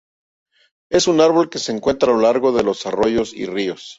Es un árbol que se encuentra a lo largo de los arroyos y ríos.